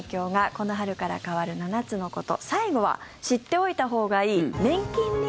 この春から変わる７つのこと。